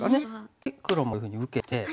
で黒もこういうふうに受けて。